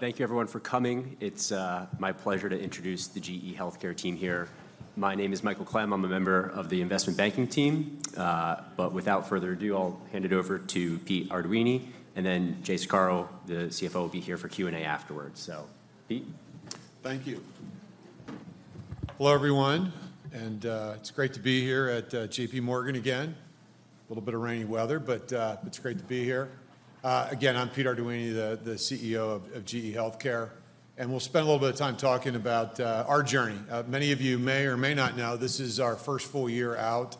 Thank you everyone for coming. It's my pleasure to introduce the GE HealthCare team here. My name is Michael Klem. I'm a member of the investment banking team. But without further ado, I'll hand it over to Pete Arduini, and then Jay Saccaro, the CFO, will be here for Q&A afterwards. So, Pete? Thank you. Hello, everyone, and it's great to be here at JPMorgan again. A little bit of rainy weather, but it's great to be here. Again, I'm Peter Arduini, the CEO of GE HealthCare, and we'll spend a little bit of time talking about our journey. Many of you may or may not know, this is our first full year out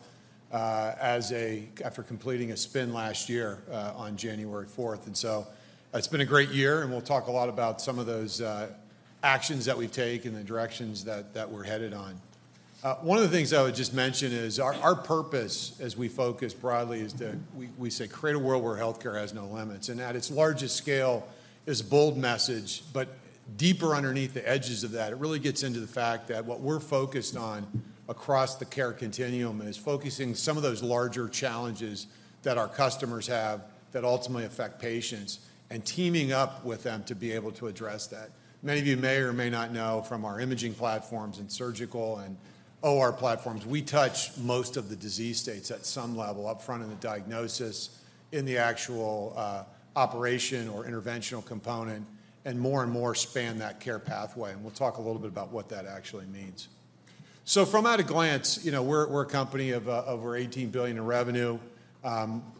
as a, after completing a spin last year on January 4. So, it's been a great year, and we'll talk a lot about some of those actions that we've taken and the directions that we're headed on. One of the things I would just mention is our purpose as we focus broadly, is to... We say, "Create a world where healthcare has no limits." And at its largest scale is a bold message, but deeper underneath the edges of that, it really gets into the fact that what we're focused on across the care continuum is focusing some of those larger challenges that our customers have that ultimately affect patients, and teaming up with them to be able to address that. Many of you may or may not know from our imaging platforms and surgical and OR platforms, we touch most of the disease states at some level, up front in the diagnosis, in the actual operation or interventional component, and more and more span that care-pathway, and we'll talk a little bit about what that actually means. So, at a glance, you know, we're a company of over $18 billion in revenue. You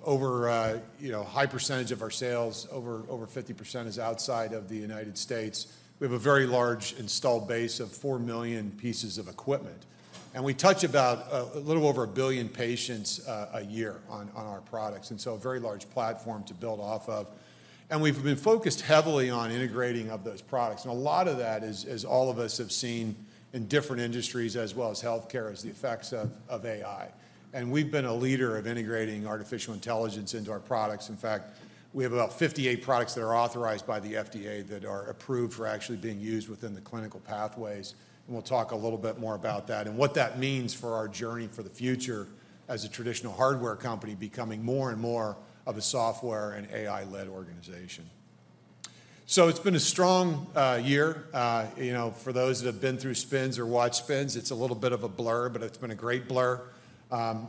know, a high percentage of our sales, over 50%, is outside of the United States. We have a very large installed base of 4 million pieces of equipment, and we touch about a little over 1 billion patients a year on our products, and so a very large platform to build off of. And we've been focused heavily on integrating of those products, and a lot of that is, as all of us have seen in different industries, as well as healthcare, is the effects of AI. And we've been a leader of integrating artificial intelligence into our products. In fact, we have about 58 products that are authorized by the FDA that are approved for actually being used within the clinical pathways. We'll talk a little bit more about that and what that means for our journey for the future as a traditional hardware company becoming more and more of a software and AI-led organization. It's been a strong year. You know, for those that have been through spins or watched spins, it's a little bit of a blur, but it's been a great blur.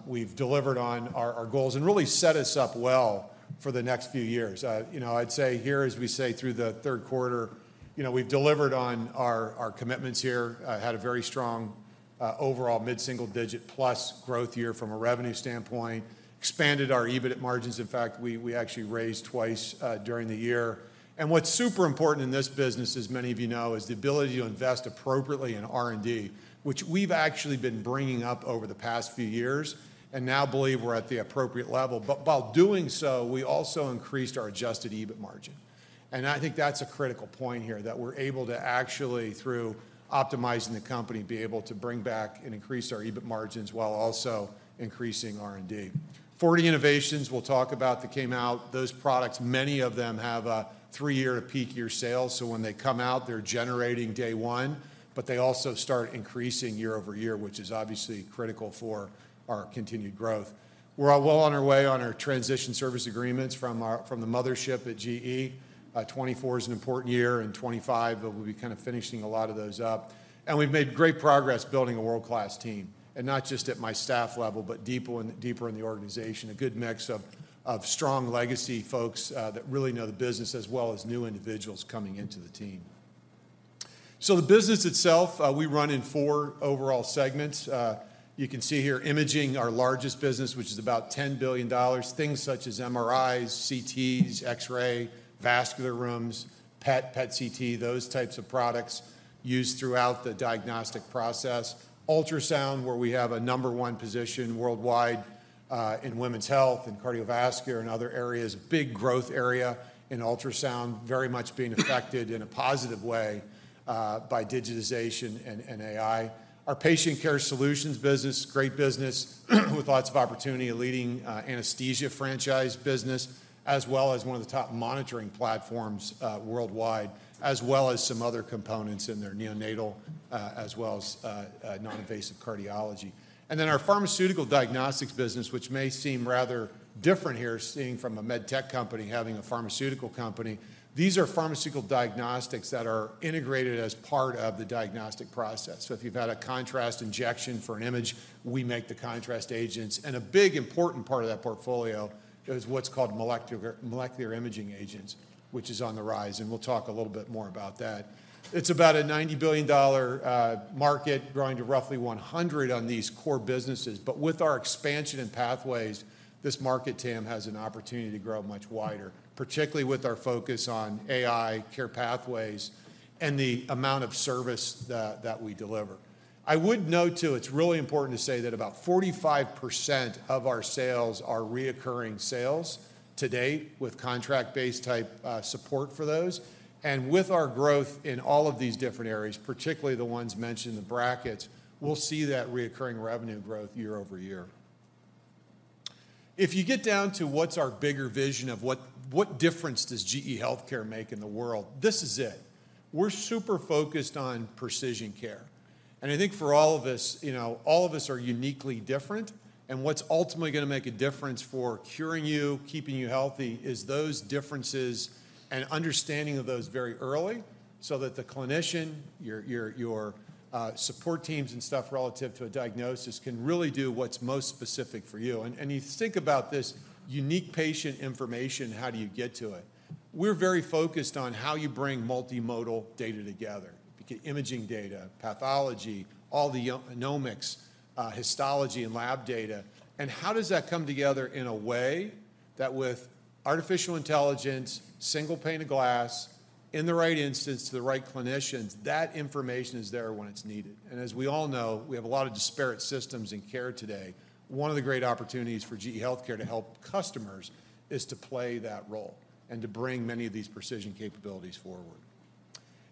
We've delivered on our goals and really set us up well for the next few years. You know, I'd say here, as we say, through the third quarter, you know, we've delivered on our commitments here. Had a very strong overall mid-single-digit-plus growth year from a revenue standpoint, expanded our EBIT margins. In fact, we actually raised twice during the year. What's super important in this business, as many of you know, is the ability to invest appropriately in R&D, which we've actually been bringing up over the past few years, and now believe we're at the appropriate level. But while doing so, we also increased our adjusted EBIT margin. And I think that's a critical point here, that we're able to actually, through optimizing the company, be able to bring back and increase our EBIT margins while also increasing R&D. 40 innovations we'll talk about that came out. Those products, many of them have a three-year peak year sales, so when they come out, they're generating day one, but they also start increasing year-over-year, which is obviously critical for our continued growth. We're well on our way on our transition service agreements from the mothership at GE. 2024 is an important year, and 2025, but we'll be kind of finishing a lot of those up. And we've made great progress building a world-class team, and not just at my staff level, but deeper in, deeper in the organization. A good mix of strong legacy folks that really know the business, as well as new individuals coming into the team. So the business itself, we run in four overall segments. You can see here, imaging, our largest business, which is about $10 billion. Things such as MRIs, CTs, X-ray, vascular rooms, PET, PET/CT, those types of products used throughout the diagnostic process. Ultrasound, where we have a number one position worldwide, in women's health and cardiovascular and other areas. Big growth area in ultrasound, very much being affected in a positive way, by digitization and AI. Our patient care solutions business, great business, with lots of opportunity, a leading anesthesia franchise business, as well as one of the top monitoring platforms worldwide, as well as some other components in their neonatal as well as non-invasive cardiology. And then our pharmaceutical diagnostics business, which may seem rather different here, seeing from a med tech company having a pharmaceutical company. These are pharmaceutical diagnostics that are integrated as part of the diagnostic process. So if you've had a contrast injection for an image, we make the contrast agents. And a big, important part of that portfolio is what's called molecular imaging agents, which is on the rise, and we'll talk a little bit more about that. It's about a $90 billion market, growing to roughly $100 billion on these core businesses. But with our expansion in pathways, this market TAM has an opportunity to grow much wider, particularly with our focus on AI, care-pathways, and the amount of service that, that we deliver. I would note, too, it's really important to say that about 45% of our sales are recurring sales to date, with contract-based type, support for those. With our growth in all of these different areas, particularly the ones mentioned in the brackets, we'll see that recurring revenue growth year-over-year. If you get down to what's our bigger vision of what, what difference does GE HealthCare make in the world? This is it. We're super focused on precision care.... I think for all of us, you know, all of us are uniquely different, and what's ultimately gonna make a difference for curing you, keeping you healthy, is those differences and understanding of those very early, so that the clinician, your support teams and stuff relative to a diagnosis, can really do what's most specific for you. And you think about this unique patient information, how do you get to it? We're very focused on how you bring multimodal data together. Imaging data, pathology, all the omics, histology, and lab data. And how does that come together in a way that with artificial intelligence, single-pane-of-glass, in the right instance to the right clinicians, that information is there when it's needed? As we all know, we have a lot of disparate systems in care today. One of the great opportunities for GE HealthCare to help customers is to play that role and to bring many of these precision capabilities forward.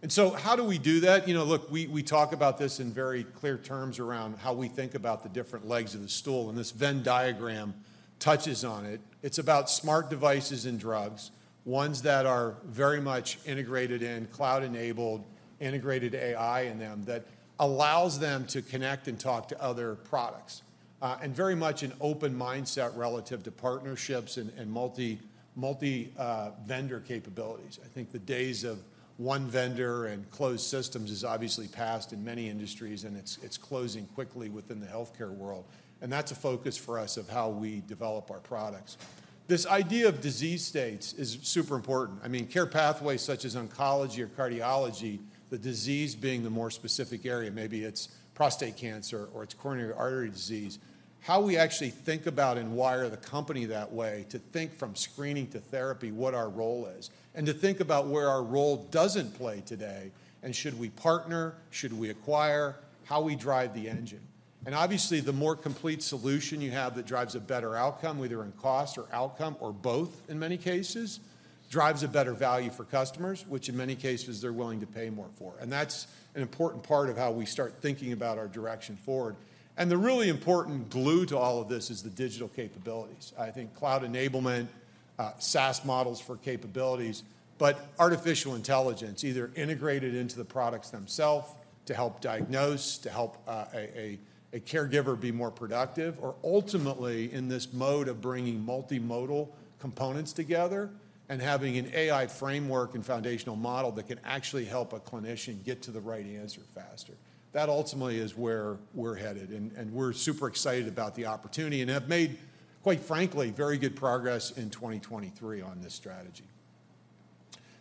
And so how do we do that? You know, look, we talk about this in very clear terms around how we think about the different legs of the stool, and this Venn diagram touches on it. It's about smart devices and drugs, ones that are very much integrated in, cloud-enabled, integrated AI in them, that allows them to connect and talk to other products. And very much an open mindset relative to partnerships and multi-vendor capabilities. I think the days of one vendor and closed systems is obviously passed in many industries, and it's closing quickly within the healthcare world. And that's a focus for us of how we develop our products. This idea of disease states is super important. I mean, care-pathways such as oncology or cardiology, the disease being the more specific area, maybe it's prostate cancer or it's coronary artery disease, how we actually think about and wire the company that way, to think from screening to therapy, what our role is, and to think about where our role doesn't play today, and should we partner, should we acquire, how we drive the engine. Obviously, the more complete solution you have that drives a better outcome, whether in cost or outcome or both, in many cases, drives a better value for customers, which in many cases they're willing to pay more for. That's an important part of how we start thinking about our direction forward. The really important glue to all of this is the digital capabilities. I think cloud enablement, SaaS models for capabilities, but artificial intelligence, either integrated into the products themselves to help diagnose, to help a caregiver be more productive, or ultimately, in this mode of bringing multimodal components together and having an AI framework and foundational model that can actually help a clinician get to the right answer faster. That ultimately is where we're headed, and we're super excited about the opportunity and have made, quite frankly, very good progress in 2023 on this strategy.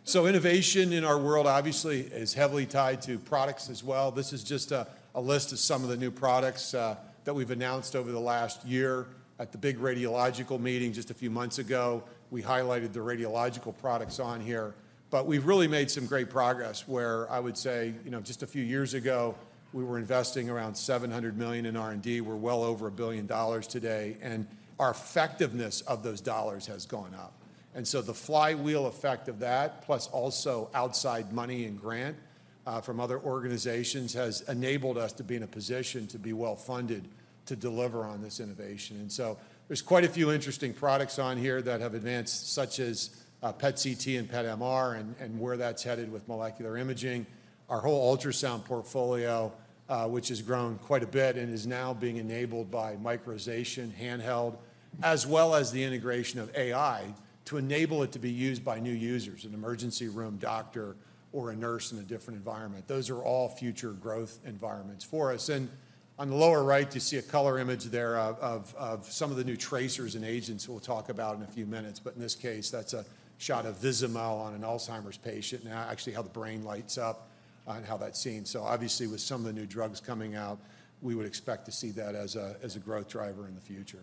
So innovation in our world obviously is heavily tied to products as well. This is just a list of some of the new products that we've announced over the last year. At the big radiological meeting just a few months ago, we highlighted the radiological products on here. But we've really made some great progress where I would say, you know, just a few years ago, we were investing around $700 million in R&D. We're well over $1 billion today, and our effectiveness of those dollars has gone up. And so the flywheel effect of that, plus also outside money and grant from other organizations, has enabled us to be in a position to be well-funded to deliver on this innovation. And so there's quite a few interesting products on here that have advanced, such as PET/CT and PET/MR, and where that's headed with molecular imaging. Our whole ultrasound portfolio, which has grown quite a bit and is now being enabled by miniaturization, hand-held, as well as the integration of AI, to enable it to be used by new users, an emergency room doctor or a nurse in a different environment. Those are all future-growth environments for us. And on the lower right, you see a color image there of some of the new tracers and agents we'll talk about in a few minutes. But in this case, that's a shot of Vizamyl on an Alzheimer's patient, and actually how the brain lights up and how that's seen. So obviously, with some of the new drugs coming out, we would expect to see that as a growth driver in the future.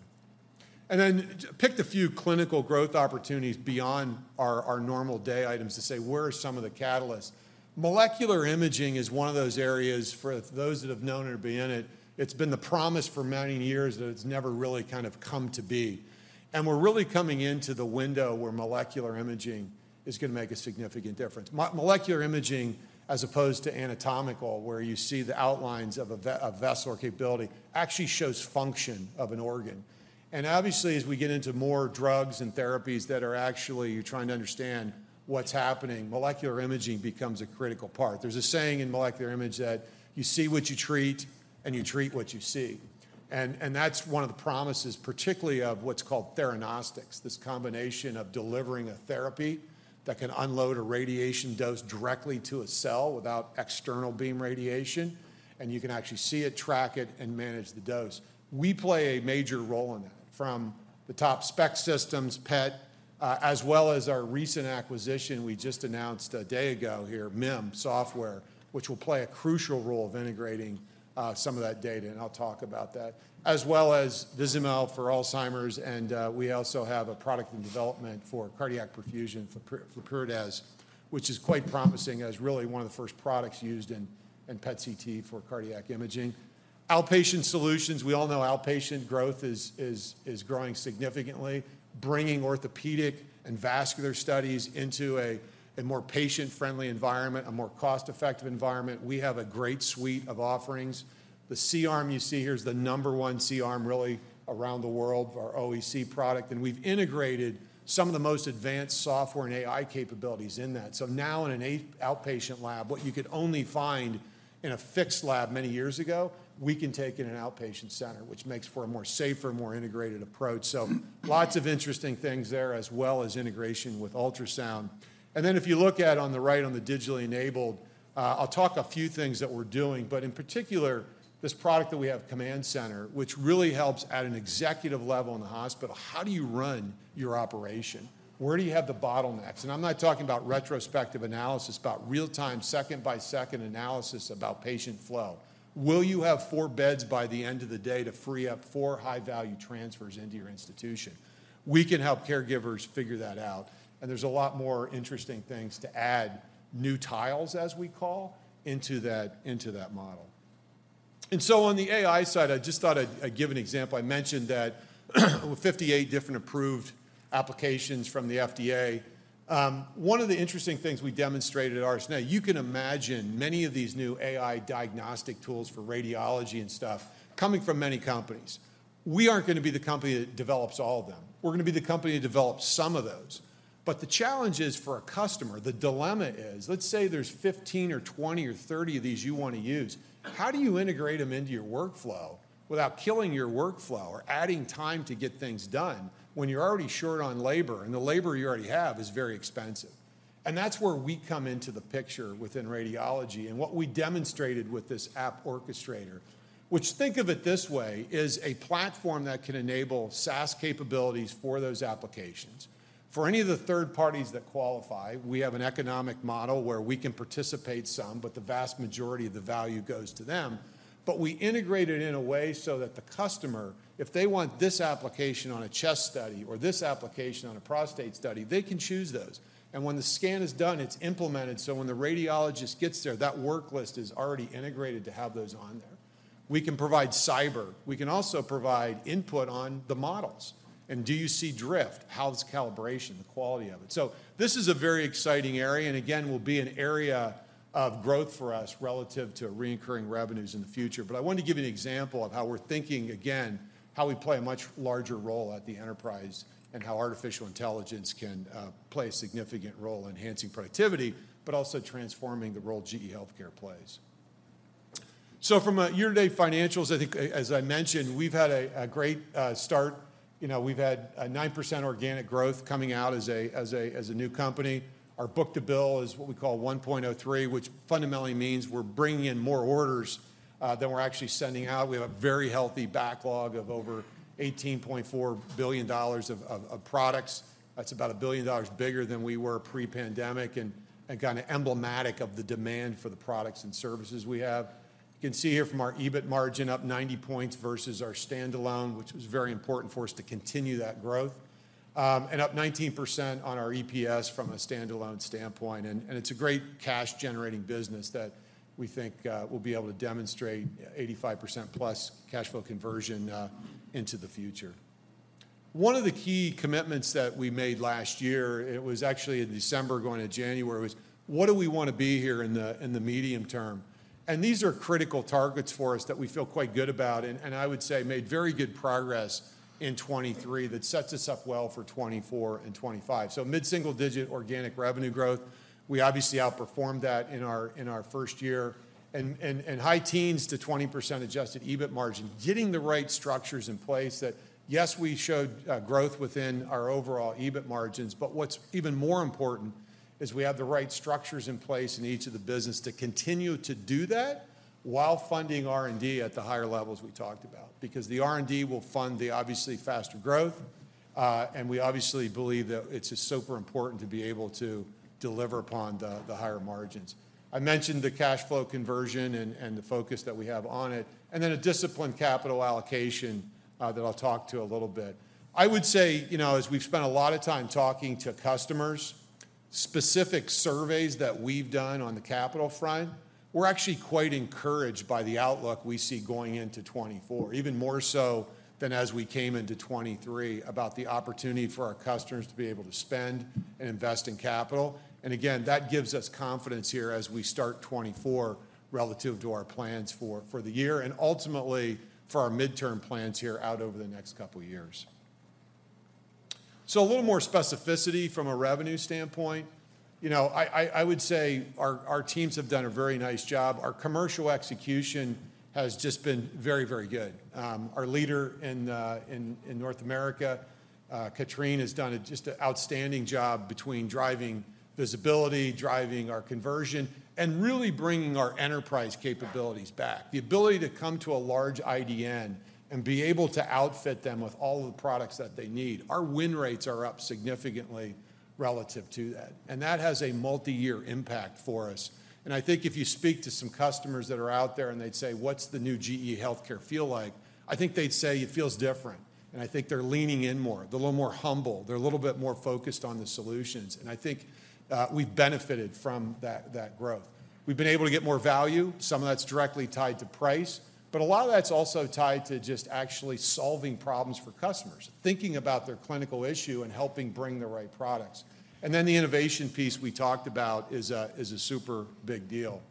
And then just picked a few clinical growth opportunities beyond our normal day-to-day items to say, where are some of the catalysts? Molecular imaging is one of those areas for those that have known it or been in it; it's been the promise for many years, but it's never really kind of come to be. We're really coming into the window where molecular imaging is gonna make a significant difference. Molecular imaging, as opposed to anatomical, where you see the outlines of a vessel or capability, actually shows function of an organ. And obviously, as we get into more drugs and therapies that are actually trying to understand what's happening, molecular imaging becomes a critical part. There's a saying in molecular imaging that you see what you treat, and you treat what you see. And that's one of the promises, particularly of what's called theranostics, this combination of delivering a therapy that can unload a radiation dose directly to a cell without external beam radiation, and you can actually see it, track it, and manage the dose. We play a major role in it, from the top spec systems, PET, as well as our recent acquisition we just announced a day ago here, MIM Software, which will play a crucial role of integrating some of that data, and I'll talk about that. As well as Vizamyl for Alzheimer's, and we also have a product in development for cardiac perfusion for Flyrcado, which is quite promising as really one of the first products used in PET/CT for cardiac imaging. Outpatient solutions, we all know outpatient growth is growing significantly, bringing orthopedic and vascular studies into a more patient-friendly environment, a more cost-effective environment. We have a great suite of offerings-... The C-arm you see here is the number one C-arm really around the world, our OEC product, and we've integrated some of the most advanced software and AI capabilities in that. So now in an outpatient lab, what you could only find in a fixed lab many years ago, we can take in an outpatient center, which makes for a more safer, more integrated approach. So, lots of interesting things there, as well as integration with ultrasound. And then if you look at on the right, on the digitally enabled, I'll talk a few things that we're doing, but in particular, this product that we have, Command Center, which really helps at an executive level in the hospital. How do you run your operation? Where do you have the bottlenecks? And I'm not talking about retrospective analysis, about real-time, second-by-second analysis about patient flow. Will you have four beds by the end of the day to free up four high-value transfers into your institution? We can help caregivers figure that out, and there's a lot more interesting things to add, new tiles, as we call, into that, into that model. So on the AI side, I just thought I'd give an example. I mentioned that, with 58 different approved applications from the FDA. One of the interesting things we demonstrated at RSNA, you can imagine many of these new AI diagnostic tools for radiology and stuff coming from many companies. We aren't going to be the company that develops all of them. We're going to be the company that develops some of those. But the challenge is for a customer, the dilemma is, let's say there's 15 or 20 or 30 of these you want to use, how do you integrate them into your workflow without killing your workflow or adding time to get things done when you're already short on labor, and the labor you already have is very expensive? And that's where we come into the picture within radiology, and what we demonstrated with this App Orchestrator, which, think of it this way, is a platform that can enable SaaS capabilities for those applications. For any of the third parties that qualify, we have an economic model where we can participate some, but the vast majority of the value goes to them. But we integrate it in a way so that the customer, if they want this application on a chest study or this application on a prostate study, they can choose those. And when the scan is done, it's implemented, so when the radiologist gets there, that work list is already integrated to have those on there. We can provide cyber. We can also provide input on the models. And do you see drift? How's calibration, the quality of it? So this is a very exciting area, and again, will be an area of growth for us relative to recurring revenues in the future. But I wanted to give you an example of how we're thinking, again, how we play a much larger role at the enterprise and how artificial intelligence can play a significant role enhancing productivity, but also transforming the role GE HealthCare plays. So from a year-to-date financials, I think, as I mentioned, we've had a great start. You know, we've had a 9% organic growth coming out as a new company. Our book-to-bill is what we call 1.03, which fundamentally means we're bringing in more orders than we're actually sending out. We have a very healthy backlog of over $18.4 billion of products. That's about $1 billion bigger than we were pre-pandemic, and kind of emblematic of the demand for the products and services we have. You can see here from our EBIT margin, up 90 points versus our standalone, which was very important for us to continue that growth. And up 19% on our EPS from a standalone standpoint, and, and it's a great cash-generating business that we think will be able to demonstrate 85% plus cash flow conversion into the future. One of the key commitments that we made last year, it was actually in December going to January, was: what do we want to be here in the, in the medium-term? These are critical targets for us that we feel quite good about and, and I would say made very good progress in 2023 that sets us up well for 2024 and 2025. Mid-single-digit organic revenue growth, we obviously outperformed that in our, in our first year. high teens to 20% adjusted EBIT margin, getting the right structures in place that, yes, we showed growth within our overall EBIT margins, but what's even more important is we have the right structures in place in each of the business to continue to do that while funding R&D at the higher levels we talked about, because the R&D will fund the, obviously, faster growth. And we obviously believe that it's super important to be able to deliver upon the higher margins. I mentioned the cash flow conversion and the focus that we have on it, and then a disciplined capital allocation that I'll talk to a little bit. I would say, you know, as we've spent a lot of time talking to customers, specific surveys that we've done on the capital front, we're actually quite encouraged by the outlook we see going into 2024, even more so than as we came into 2023, about the opportunity for our customers to be able to spend and invest in capital. Again, that gives us confidence here as we start 2024 relative to our plans for the year, and ultimately, for our mid-term plans here out over the next couple years. A little more specificity from a revenue standpoint. You know, I would say our teams have done a very nice job. Our commercial execution has just been very, very good. Our leader in North America, Catherine, has done just an outstanding job between driving visibility, driving our conversion, and really bringing our enterprise capabilities back. The ability to come to a large IDN and be able to outfit them with all of the products that they need, our win rates are up significantly relative to that, and that has a multi-year impact for us. I think if you speak to some customers that are out there, and they'd say: "What's the new GE HealthCare feel like?" I think they'd say, "It feels different." I think they're leaning in more. They're a little more humble. They're a little bit more focused on the solutions, and I think, we've benefited from that growth. We've been able to get more value, some of that's directly tied to price, but a lot of that's also tied to just actually solving problems for customers, thinking about their clinical issue and helping bring the right products. And then the innovation piece we talked about is a super big deal...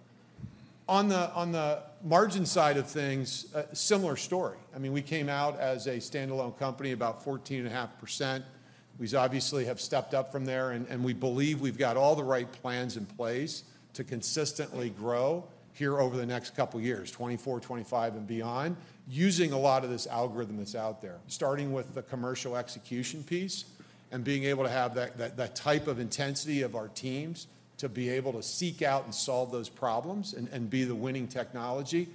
On the margin side of things, similar story. I mean, we came out as a stand-alone company about 14.5%. We obviously have stepped up from there, and we believe we've got all the right plans in place to consistently grow here over the next couple years, 2024, 2025, and beyond, using a lot of this algorithm that's out there, starting with the commercial execution piece and being able to have that type of intensity of our teams to be able to seek out and solve those problems and be the winning technology.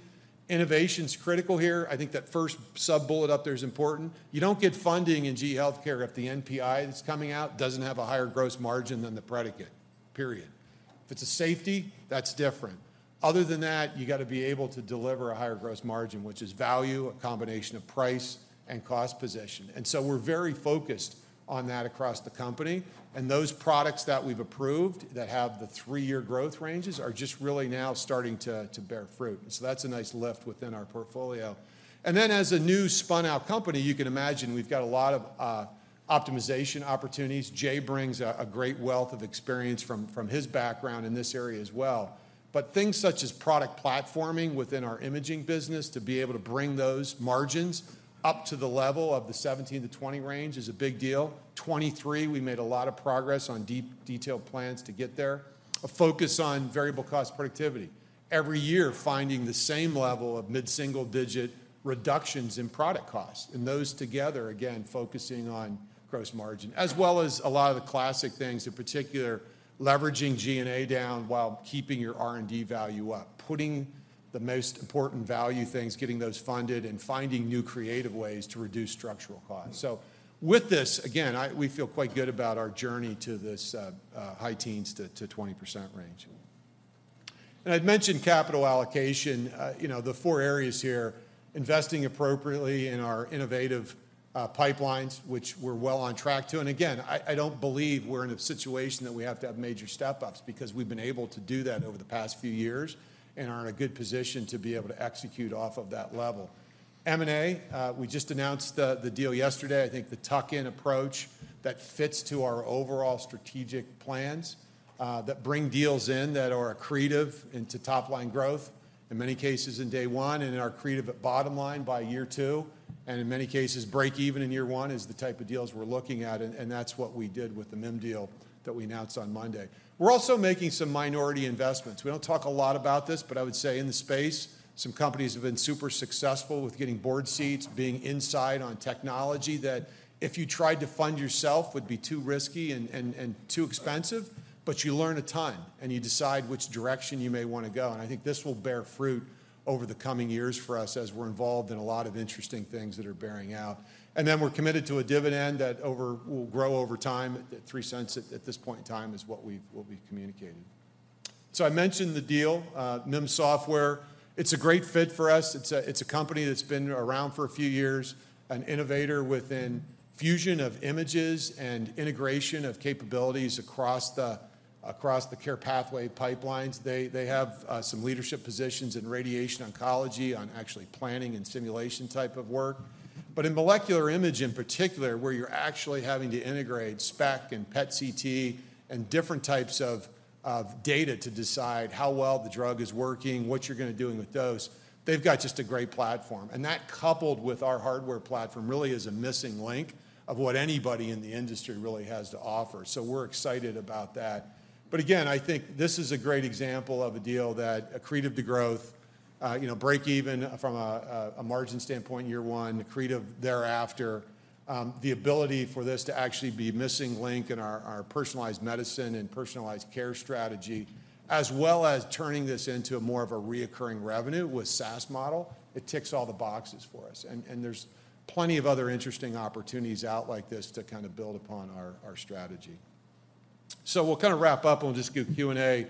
Innovation's critical here. I think that first sub-bullet up there is important. You don't get funding in GE HealthCare if the NPI that's coming out doesn't have a higher gross margin than the predicate, period. If it's a safety, that's different. Other than that, you gotta be able to deliver a higher gross margin, which is value, a combination of price and cost position. So we're very focused on that across the company, and those products that we've approved that have the three-year growth ranges are just really now starting to bear fruit. So that's a nice lift within our portfolio. Then, as a new spun-out company, you can imagine we've got a lot of optimization opportunities. Jay brings a great wealth of experience from his background in this area as well. But things such as product platforming within our imaging business, to be able to bring those margins up to the level of the 17-20 range is a big deal. 2023, we made a lot of progress on deep detailed plans to get there. A focus on variable cost productivity. Every year, finding the same level of mid-single-digit reductions in product costs, and those together, again, focusing on gross margin, as well as a lot of the classic things, in particular, leveraging G&A down while keeping your R&D value up. Putting the most important value things, getting those funded, and finding new creative ways to reduce structural costs. So with this, again, we feel quite good about our journey to this high teens to 20% range. And I'd mentioned capital allocation. You know, the four areas here, investing appropriately in our innovative pipelines, which we're well on track to. And again, I don't believe we're in a situation that we have to have major step-ups because we've been able to do that over the past few years and are in a good position to be able to execute off of that level. M&A, we just announced the deal yesterday. I think the tuck-in approach that fits to our overall strategic plans, that bring deals in that are accretive into top-line growth, in many cases in day one, and are accretive at bottom line by year two, and in many cases, break-even in year one, is the type of deals we're looking at and that's what we did with the MIM deal that we announced on Monday. We're also making some minority investments. We don't talk a lot about this, but I would say in the space, some companies have been super successful with getting board seats, being inside on technology that if you tried to fund yourself, would be too risky and too expensive. But you learn a ton, and you decide which direction you may wanna go, and I think this will bear fruit over the coming years for us as we're involved in a lot of interesting things that are bearing out. And then we're committed to a dividend that over... will grow over time. At $0.03 at this point in time is what we've, what we've communicated. So I mentioned the deal, MIM Software. It's a great fit for us. It's a company that's been around for a few years, an innovator within fusion of images and integration of capabilities across the care-pathway pipelines. They have some leadership positions in radiation oncology on actually planning and simulation type of work. But in molecular imaging, in particular, where you're actually having to integrate SPECT and PET/CT and different types of data to decide how well the drug is working, what you're gonna do with dose, they've got just a great platform. And that, coupled with our hardware platform, really is a missing link of what anybody in the industry really has to offer. So we're excited about that. But again, I think this is a great example of a deal that accretive to growth, you know, break-even from a margin standpoint in year one, accretive thereafter. The ability for this to actually be missing link in our, our personalized medicine and personalized care strategy, as well as turning this into more of a recurring revenue with SaaS model, it ticks all the boxes for us, and, and there's plenty of other interesting opportunities out like this to kind of build upon our, our strategy. So we'll kind of wrap up, and we'll just do Q&A.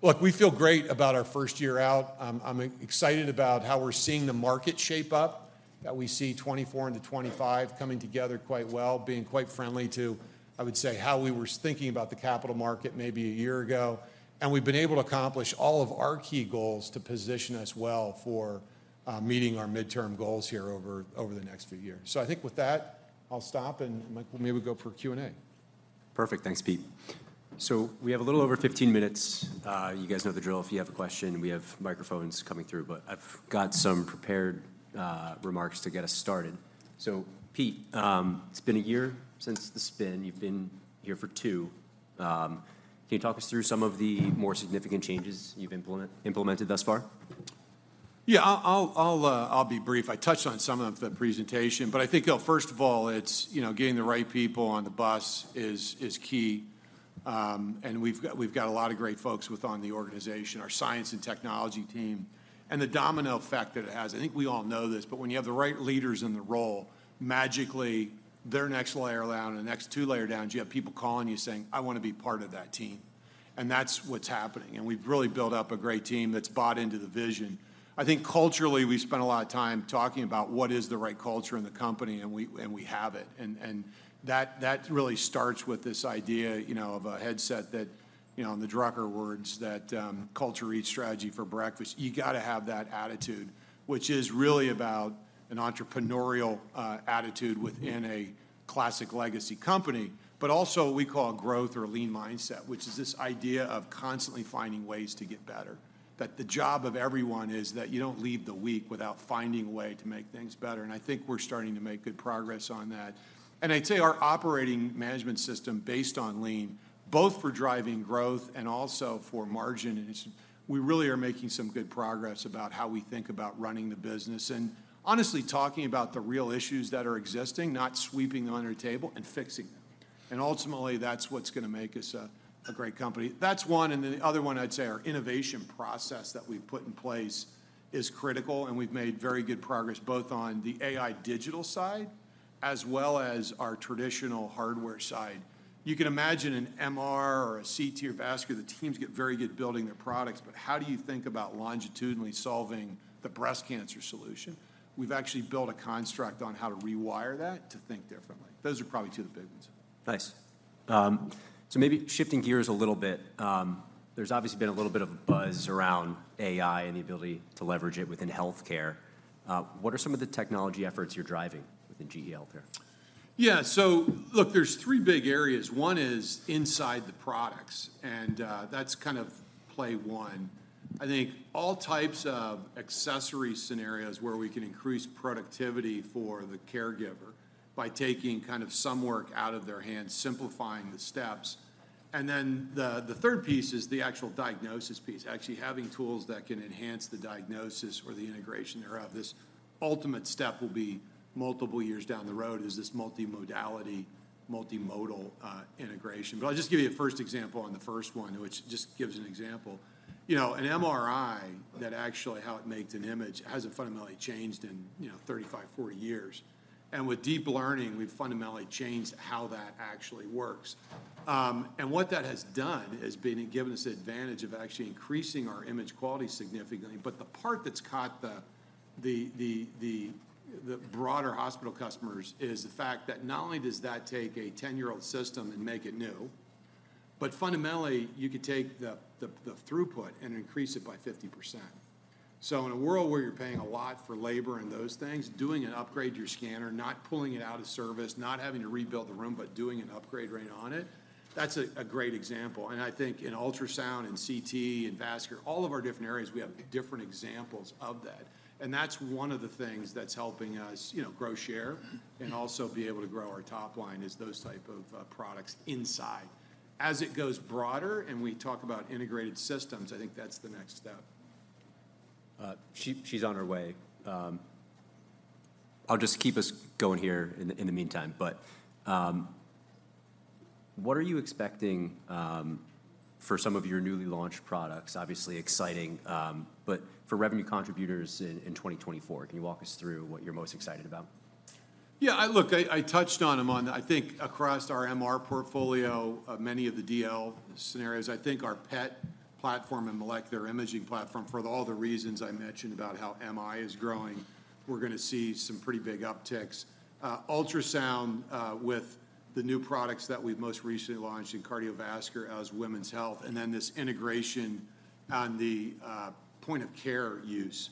Look, we feel great about our first year out. I'm excited about how we're seeing the market shape up, that we see 2024 into 2025 coming together quite well, being quite friendly to, I would say, how we were thinking about the capital market maybe a year ago. And we've been able to accomplish all of our key goals to position us well for, meeting our midterm goals here over, over the next few years. I think with that, I'll stop, and Mike, well, maybe we go for Q&A. Perfect. Thanks, Pete. So we have a little over 15 minutes. You guys know the drill. If you have a question, we have microphones coming through, but I've got some prepared remarks to get us started. So Pete, it's been a year since the spin. You've been here for two. Can you talk us through some of the more significant changes you've implemented thus far? Yeah, I'll be brief. I touched on some of the presentation, but I think, first of all, it's, you know, getting the right people on the bus is key. And we've got a lot of great folks within the organization, our science and technology team. And the domino effect that it has, I think we all know this, but when you have the right leaders in the role, magically, the next layer down, and the next two layers down, you have people calling you, saying, "I wanna be part of that team." And that's what's happening, and we've really built up a great team that's bought into the vision. I think culturally, we've spent a lot of time talking about what is the right culture in the company, and we have it, and that really starts with this idea, you know, of a mindset that, you know, in the Drucker's words, "Culture eats strategy for breakfast." You gotta have that attitude, which is really about an entrepreneurial attitude within a classic legacy company, but also what we call a growth- or lean- mindset, which is this idea of constantly finding ways to get better, that the job of everyone is that you don't leave the week without finding a way to make things better, and I think we're starting to make good progress on that. I'd say our operating management system based on lean, both for driving growth and also for margin is, we really are making some good progress about how we think about running the business, and honestly talking about the real issues that are existing, not sweeping them under the table, and fixing them. Ultimately, that's what's gonna make us a great company. That's one, and then the other one I'd say, our innovation process that we've put in place is critical, and we've made very good progress, both on the AI digital side as well as our traditional hardware side. You can imagine an MR or a CT or vascular, the teams get very good at building their products, but how do you think about longitudinally solving the breast cancer solution? We've actually built a construct on how to rewire that to think differently. Those are probably two of the big ones. Nice. So maybe shifting gears a little bit, there's obviously been a little bit of a buzz around AI and the ability to leverage it within healthcare. What are some of the technology efforts you're driving within GE HealthCare? Yeah, so look, there's three big areas. One is inside the products, and that's kind of play one. I think all types of accessory scenarios where we can increase productivity for the caregiver by taking kind of some work out of their hands, simplifying the steps. And then the third piece is the actual diagnosis piece, actually having tools that can enhance the diagnosis or the integration thereof. This ultimate step will be multiple years down the road, is this multimodality, multimodal integration. But I'll just give you a first example on the first one, which just gives an example. You know, an MRI, that actually how it makes an image, hasn't fundamentally changed in, you know, 35, 40 years. And with deep learning, we've fundamentally changed how that actually works. And what that has done has been, it given us the advantage of actually increasing our image quality significantly. But the part that's caught the broader hospital customers is the fact that not only does that take a 10-year-old system and make it new, but fundamentally, you could take the throughput and increase it by 50%. So in a world where you're paying a lot for labor and those things, doing an upgrade to your scanner, not pulling it out of service, not having to rebuild the room, but doing an upgrade right on it, that's a great example. And I think in ultrasound and CT and vascular, all of our different areas, we have different examples of that. That's one of the things that's helping us, you know, grow share and also be able to grow our top line, is those type of products inside. As it goes broader and we talk about integrated systems, I think that's the next step. She's on her way. I'll just keep us going here in the meantime, but what are you expecting for some of your newly launched products? Obviously exciting, but for revenue contributors in 2024, can you walk us through what you're most excited about? Yeah, look, I touched on them, I think, across our MR portfolio, many of the DL scenarios. I think our PET platform and molecular imaging platform, for all the reasons I mentioned about how MI is growing, we're gonna see some pretty big upticks. Ultrasound, with the new products that we've most recently launched in cardiovascular and women's health, and then this integration on the point of care use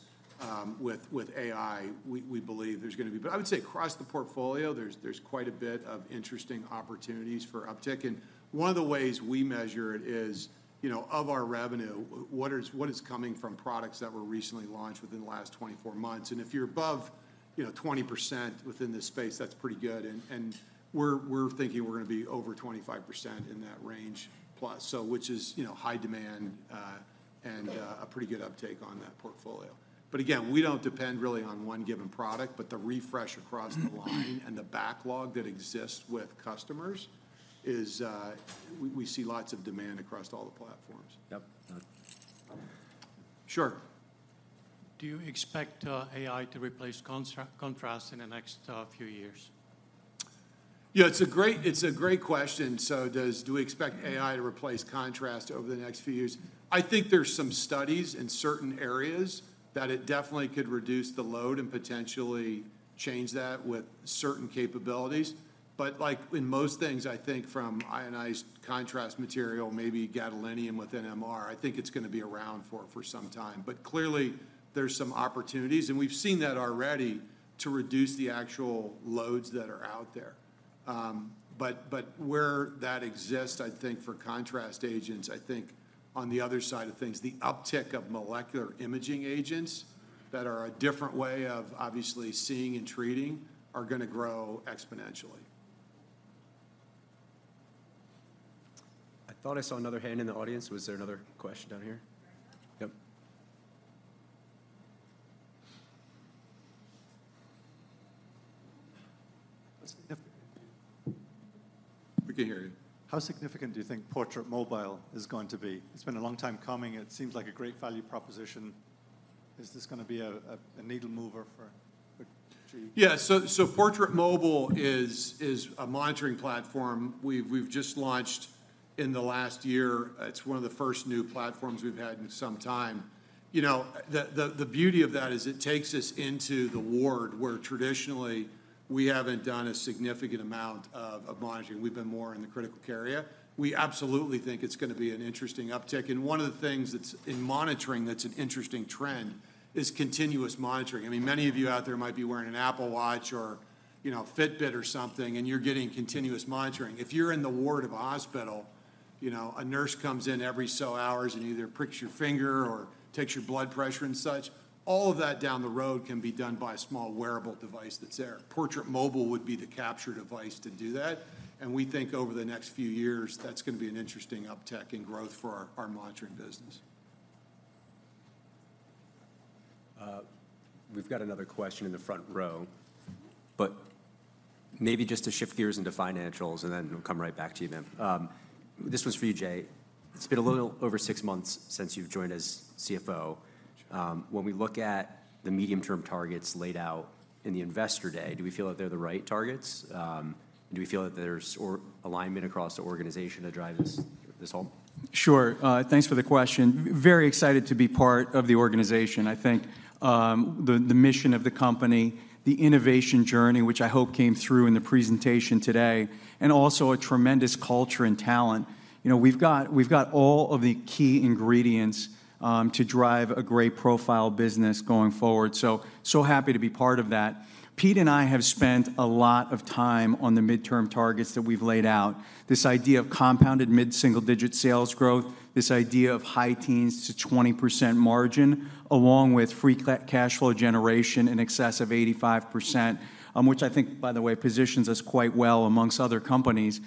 with AI, we believe there's gonna be. But I would say across the portfolio, there's quite a bit of interesting opportunities for uptick. And one of the ways we measure it is, you know, of our revenue, what is coming from products that were recently launched within the last 24 months? And if you're above, you know, 20% within this space, that's pretty good, and we're thinking we're gonna be over 25% in that range plus. So which is, you know, high demand, and a pretty good uptake on that portfolio. But again, we don't depend really on one given product, but the refresh across the line and the backlog that exists with customers is, we see lots of demand across all the platforms. Yep. Uh. Sure. Do you expect AI to replace contrast in the next few years? Yeah, it's a great question. So do we expect AI to replace contrast over the next few years? I think there's some studies in certain areas that it definitely could reduce the load and potentially change that with certain capabilities. But like in most things, I think from ionized contrast material, maybe gadolinium within MR, I think it's gonna be around for some time. But clearly, there's some opportunities, and we've seen that already, to reduce the actual loads that are out there. But where that exists, I think for contrast agents, I think on the other side of things, the uptick of molecular imaging agents that are a different way of obviously seeing and treating are gonna grow exponentially. I thought I saw another hand in the audience. Was there another question down here? Yep. How significant- We can't hear you. How significant do you think Portrait Mobile is going to be? It's been a long time coming. It seems like a great value proposition. Is this gonna be a needle mover for GE? Yeah, so Portrait Mobile is a monitoring platform we've just launched in the last year. It's one of the first new platforms we've had in some time. You know, the beauty of that is it takes us into the ward, where traditionally we haven't done a significant amount of monitoring. We've been more in the critical care area. We absolutely think it's gonna be an interesting uptick. And one of the things that's, in monitoring, that's an interesting trend is continuous monitoring. I mean, many of you out there might be wearing an Apple Watch or-... you know, Fitbit or something, and you're getting continuous monitoring. If you're in the ward of a hospital, you know, a nurse comes in every so hours and either pricks your finger or takes your blood pressure and such. All of that down the road can be done by a small wearable device that's there. Portrait Mobile would be the capture device to do that, and we think over the next few years, that's going to be an interesting uptick in growth for our, our monitoring business. We've got another question in the front row, but maybe just to shift gears into financials, and then we'll come right back to you then. This one's for you, Jay. It's been a little over six months since you've joined as CFO. When we look at the medium-term targets laid out in the Investor Day, do we feel that they're the right targets? Do we feel that there's alignment across the organization to drive this home? Sure. Thanks for the question. Very excited to be part of the organization. I think, the mission of the company, the innovation journey, which I hope came through in the presentation today, and also a tremendous culture and talent. You know, we've got all of the key ingredients to drive a great profile business going forward, so happy to be part of that. Pete and I have spent a lot of time on the midterm targets that we've laid out. This idea of compounded mid-single-digit sales growth, this idea of high teens to 20% margin, along with free cash flow generation in excess of 85%, which I think, by the way, positions us quite well amongst other companies.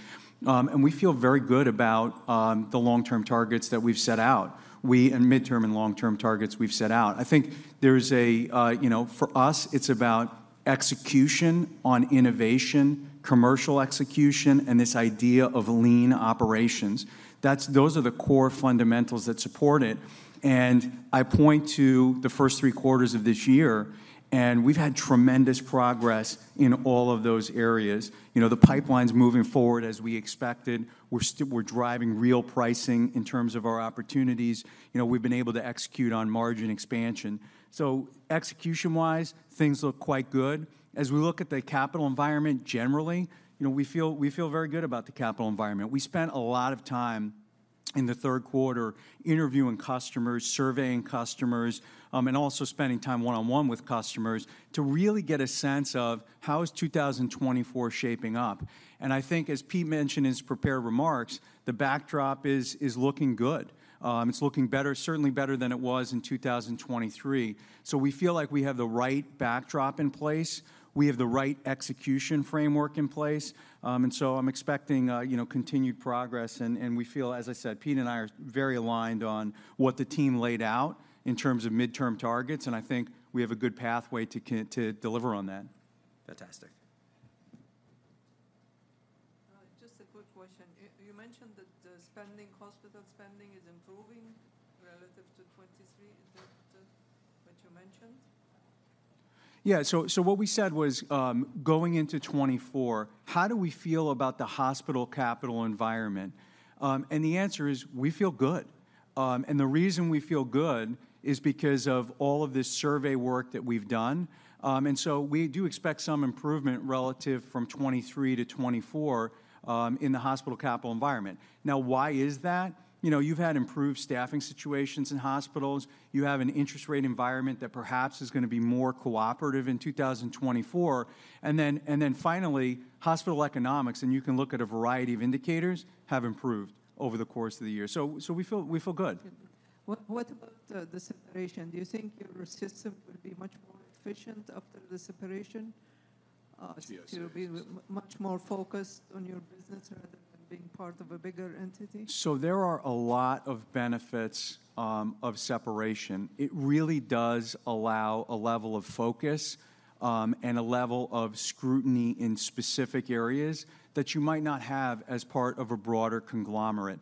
And we feel very good about the long-term targets that we've set out. We and midterm and long-term targets we've set out. I think there's a... You know, for us, it's about execution on innovation, commercial execution, and this idea of lean operations. That's— Those are the core fundamentals that support it, and I point to the first three quarters of this year, and we've had tremendous progress in all of those areas. You know, the pipeline's moving forward as we expected. We're driving real pricing in terms of our opportunities. You know, we've been able to execute on margin expansion. So execution-wise, things look quite good. As we look at the capital environment generally, you know, we feel, we feel very good about the capital environment. We spent a lot of time in the third quarter interviewing customers, surveying customers, and also spending time one-on-one with customers to really get a sense of how is 2024 shaping up. And I think, as Pete mentioned in his prepared remarks, the backdrop is looking good. It's looking better, certainly better than it was in 2023. So we feel like we have the right backdrop in place. We have the right execution framework in place. And so I'm expecting, you know, continued progress, and we feel, as I said, Pete and I are very aligned on what the team laid out in terms of mid-term targets, and I think we have a good pathway to to deliver on that. Fantastic. Just a quick question. You mentioned that the spending, hospital spending, is improving relative to 2023. Is that what you mentioned? Yeah. So what we said was, going into 2024, how do we feel about the hospital capital environment? And the answer is: we feel good. And the reason we feel good is because of all of this survey work that we've done. And so we do expect some improvement relative from 2023 to 2024, in the hospital capital environment. Now, why is that? You know, you've had improved staffing situations in hospitals. You have an interest rate environment that perhaps is going to be more cooperative in 2024. And then finally, hospital economics, and you can look at a variety of indicators, have improved over the course of the year. So we feel good. What about the separation? Do you think your system will be much more efficient after the separation? Yes. To be much more focused on your business rather than being part of a bigger entity? There are a lot of benefits of separation. It really does allow a level of focus and a level of scrutiny in specific areas that you might not have as part of a broader conglomerate.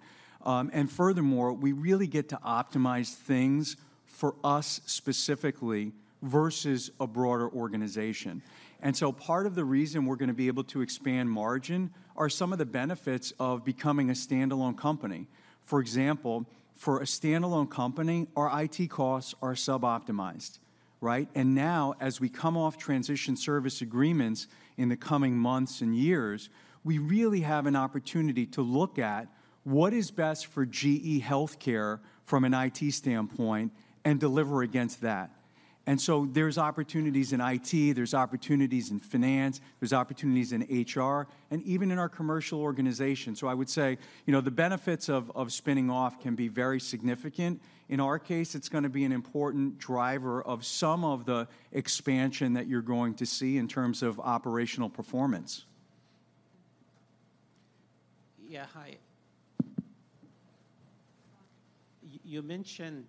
Furthermore, we really get to optimize things for us specifically versus a broader organization. And so part of the reason we're going to be able to expand margin are some of the benefits of becoming a standalone company. For example, for a standalone company, our IT costs are sub-optimized, right? And now, as we come off transition service agreements in the coming months and years, we really have an opportunity to look at what is best for GE HealthCare from an IT standpoint and deliver against that. And so there's opportunities in IT, there's opportunities in finance, there's opportunities in HR, and even in our commercial organization. I would say, you know, the benefits of spinning off can be very significant. In our case, it's going to be an important driver of some of the expansion that you're going to see in terms of operational performance. Yeah, hi. You mentioned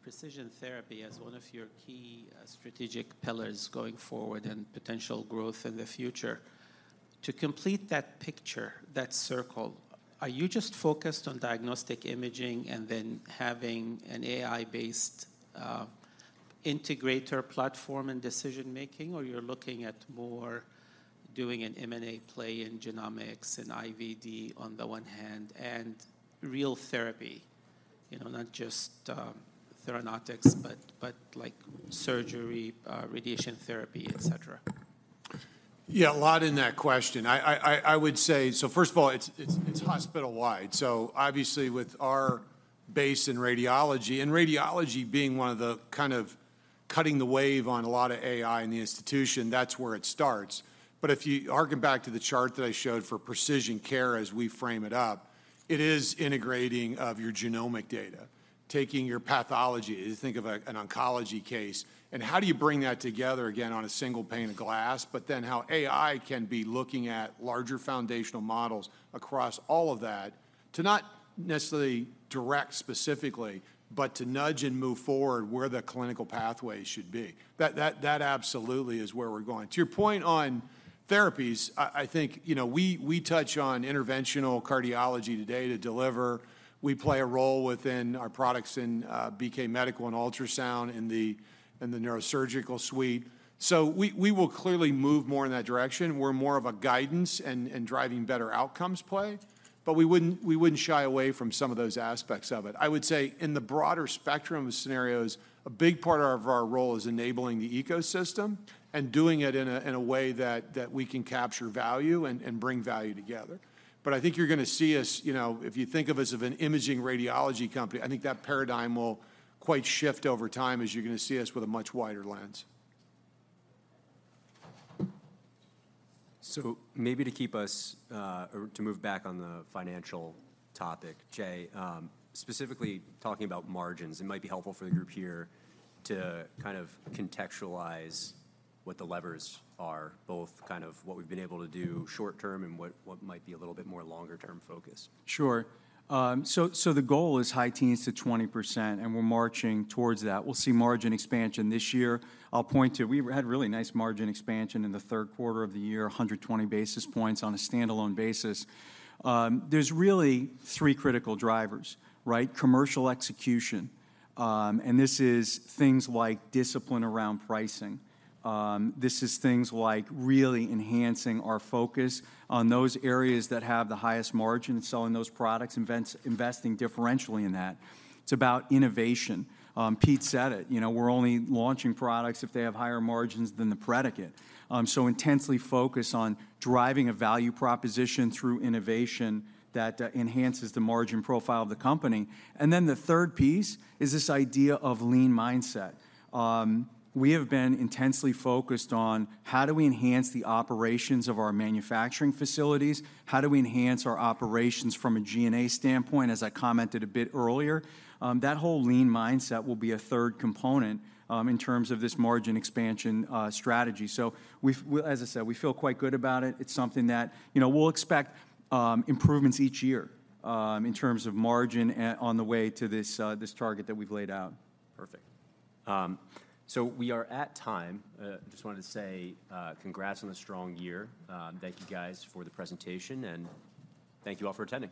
precision therapy as one of your key strategic pillars going forward and potential growth in the future. To complete that picture, that circle, are you just focused on diagnostic imaging and then having an AI-based integrator platform and decision-making, or you're looking at more doing an M&A play in genomics and IVD on the one hand, and real therapy, you know, not just theranostics, but, but, like, surgery, radiation therapy, et cetera? Yeah, a lot in that question. I would say... So first of all, it's hospital-wide. So obviously, with our... base in radiology, and radiology being one of the kind of cutting the wave on a lot of AI in the institution, that's where it starts. But if you harken back to the chart that I showed for precision care as we frame it up, it is integrating of your genomic data, taking your pathology, if you think of a, an oncology case, and how do you bring that together again on a single pane of glass? But then how AI can be looking at larger foundational models across all of that, to not necessarily direct specifically, but to nudge and move forward where the clinical pathway should be. That, that, that absolutely is where we're going. To your point on therapies, I, I think, you know, we, we touch on interventional cardiology today to deliver. We play a role within our products in BK Medical and ultrasound in the neurosurgical suite. So we will clearly move more in that direction. We're more of a guidance and driving better outcomes play, but we wouldn't shy away from some of those aspects of it. I would say in the broader spectrum of scenarios, a big part of our role is enabling the ecosystem and doing it in a way that we can capture value and bring value together. But I think you're gonna see us, you know, if you think of us as an imaging radiology company, I think that paradigm will quite shift over time as you're gonna see us with a much wider lens. Maybe to keep us, or to move back on the financial topic, Jay, specifically talking about margins, it might be helpful for the group here to kind of contextualize what the levers are, both kind of what we've been able to do short-term and what might be a little bit more longer term focus. Sure. So the goal is high teens to 20%, and we're marching towards that. We'll see margin expansion this year. I'll point to... We've had really nice margin expansion in the third quarter of the year, 100 basis points on a standalone basis. There's really three critical drivers, right? Commercial execution, and this is things like discipline around pricing. This is things like really enhancing our focus on those areas that have the highest margin, selling those products, investing differentially in that. It's about innovation. Pete said it, you know, we're only launching products if they have higher margins than the predicate. So intensely focused on driving a value proposition through innovation that enhances the margin profile of the company. And then the third piece is this idea of lean mindset. We have been intensely focused on how do we enhance the operations of our manufacturing facilities? How do we enhance our operations from a G&A standpoint, as I commented a bit earlier? That whole lean mindset will be a third component in terms of this margin expansion strategy. So we, as I said, we feel quite good about it. It's something that, you know, we'll expect improvements each year in terms of margin on the way to this target that we've laid out. Perfect. So we are at time. Just wanted to say, congrats on the strong year. Thank you guys for the presentation, and thank you all for attending.